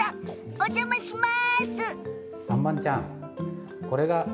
お邪魔します。